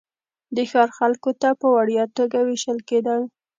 د ښار خلکو ته په وړیا توګه وېشل کېدل.